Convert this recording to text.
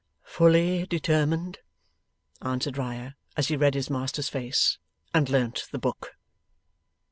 'Fully determined,' answered Riah, as he read his master's face, and learnt the book.